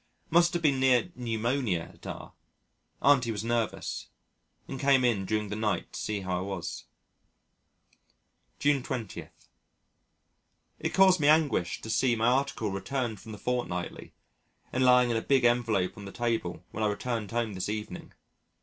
Must have been near pneumonia at R . Auntie was nervous, and came in during the night to see how I was. June 20. It caused me anguish to see my article returned from the Fortnightly and lying in a big envelope on the table when I returned home this evening.